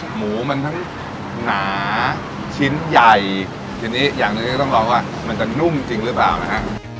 หมูมันทั้งหนาชิ้นใหญ่ทีนี้อย่างหนึ่งก็ต้องลองว่ามันจะนุ่มจริงหรือเปล่านะฮะ